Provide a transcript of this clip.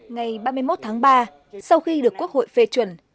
ngày ba mươi một tháng ba sau khi được quốc hội phê chuẩn